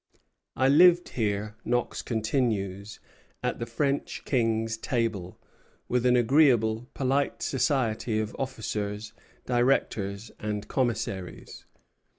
"I lived here," Knox continues, "at the French King's table, with an agreeable, polite society of officers, directors, and commissaries.